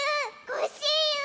コッシーユ！